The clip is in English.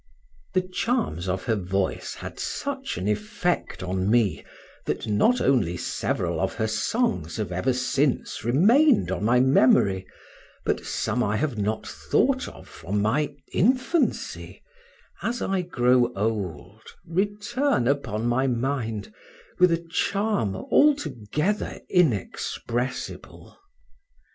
The charms of her voice had such an effect on me, that not only several of her songs have ever since remained on my memory, but some I have not thought of from my infancy, as I grow old, return upon my mind with a charm altogether inexpressible.